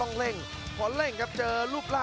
หัวจิตหัวใจแก่เกินร้อยครับ